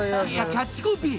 キャッチコピー！